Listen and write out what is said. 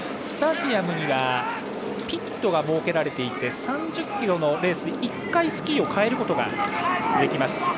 スタジアムにはピットが設けられていて３０ｋｍのレースで１回スキーをかえることができます。